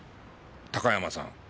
高山さん。